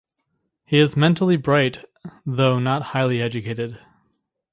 He is mentally bright, though not highly educated.